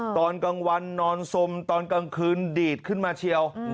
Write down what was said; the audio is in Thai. ตอนกลางวันนอนสมตอนกลางคืนดีดขึ้นมาเชียว